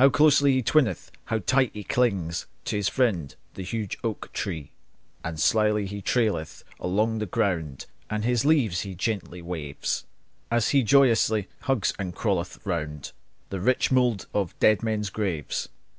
How closely he twineth, how tight he clings To his friend, the huge oak tree! And slyly he traileth along the ground, And his leaves he gently waves, And he joyously twines and hugs around The rich mould of dead men's graves.